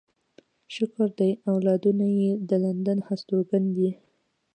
شکر دی اولادونه يې د لندن هستوګن دي.